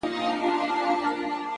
درد وچاته نه ورکوي،